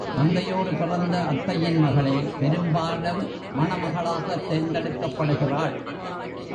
தந்தையோடு பிறந்த அத்தையின் மகளே பெரும்பாலும் மணமகளாகத் தேர்ந்தெடுக்கப்படுகிறாள்.